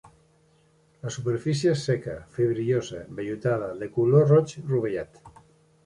La superfície és seca, fibril·losa, vellutada, de color roig rovellat.